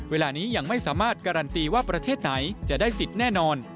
เวลานี้ยังไม่สามารถการันตีว่าประเทศไหนจะได้สิทธิ์แน่นอน